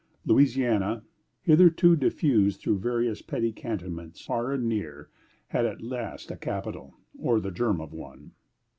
Louisiana, hitherto diffused through various petty cantonments, far and near, had at last a capital, or the germ of one.